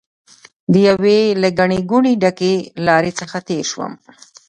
د یوې له ګڼې ګوڼې ډکې لارې څخه تېر شوم.